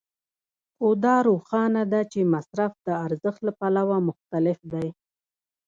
خو دا روښانه ده چې مصرف د ارزښت له پلوه مختلف دی